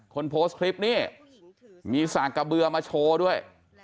คนโพสต์คลิปนี้มีสากกระเบือมาโชว์ด้วย